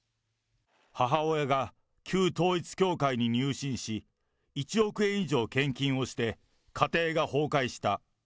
母親が旧統一教会に入信し、１億円以上献金をして、家庭が崩壊した。